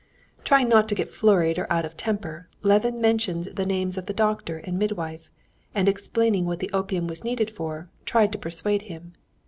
Trying not to get flurried or out of temper, Levin mentioned the names of the doctor and midwife, and explaining what the opium was needed for, tried to persuade him.